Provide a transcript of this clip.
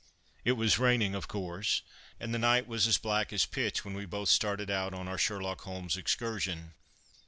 It was raining, of course, and the night was as black as pitch when we both started out on our Sherlock Holmes excursion.